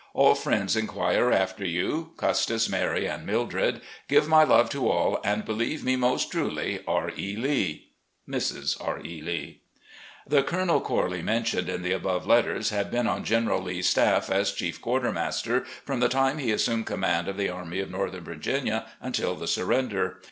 All friends inquire after you, Custis, Mary, and Mildred. Give my love to all, and believe me, "Most tmly, R. E. Lee. "Mrs. R. E. Lee." The Colonel Corley mentioned in the above letters had been on General Lee's staff, as chief quartermaster, from the time he assumed command of the Army of Northern Virginia tmtil the surrender.